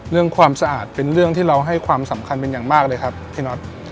ความสะอาดเป็นเรื่องที่เราให้ความสำคัญเป็นอย่างมากเลยครับพี่น็อต